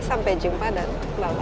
sampai jumpa dan bye bye